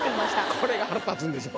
これが腹立つんですよ。